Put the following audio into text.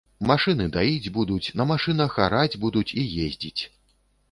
Машыны даіць будуць, на машынах араць будуць і ездзіць.